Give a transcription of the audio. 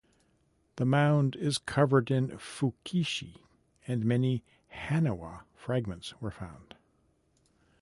The mound is covered in "fukiishi" and many "haniwa" fragments were found.